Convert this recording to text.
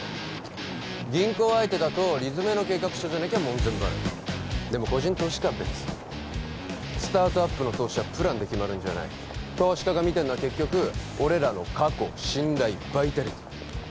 銀行相手だと理詰めの計画書じゃなきゃ門前払いでも個人投資家は別スタートアップの投資はプランで決まるんじゃない投資家が見てんのは結局俺らの過去信頼バイタリティー